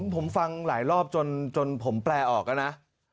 ผมฟังหลายรอบจนผมแปลออกแล้วนะ